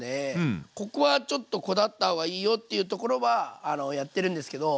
ここはちょっとこだわった方がいいよっていうところはやってるんですけど